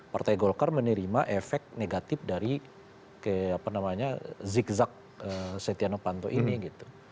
partai golkar menerima efek negatif dari zigzag setia novanto ini gitu